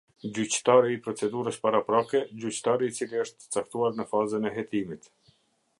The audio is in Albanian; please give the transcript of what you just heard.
Gjyqtari i procedurës paraprake - gjyqtari i cili është caktuar në fazën e hetimit.